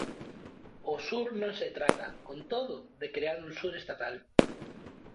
O Sur Non se trata, con todo, de crear un Sur estatal.